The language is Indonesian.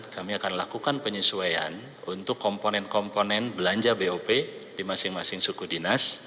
kami akan lakukan penyesuaian untuk komponen komponen belanja bop di masing masing suku dinas